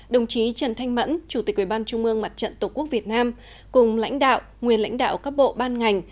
đồng chí trần thanh mẫn chủ tịch ubnd mặt trận tổ quốc việt nam cùng lãnh đạo nguyên lãnh đạo các bộ ban ngành